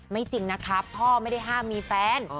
จริงนะคะพ่อไม่ได้ห้ามมีแฟน